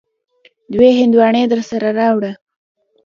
دوې هندواڼی درسره راوړه.